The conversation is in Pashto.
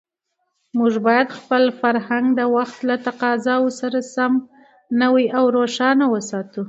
موږ باید خپل فرهنګ د وخت له تقاضاوو سره سم نوی او روښانه وساتو.